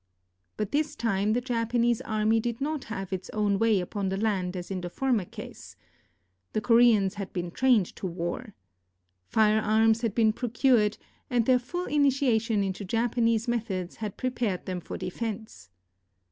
But this time the Japanese army did not have its own way upon the land as in the former case. The Ko reans had been trained to war. Firearms had been pro cured, and their full initiation into Japanese methods had prepared them for defense.